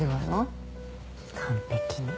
完璧に。